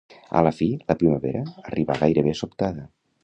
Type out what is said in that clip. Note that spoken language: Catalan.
A la fi, la primavera arribà gairebé sobtada.